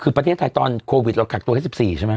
คือประเทศไทยตอนโควิดเรากักตัวแค่๑๔ใช่ไหม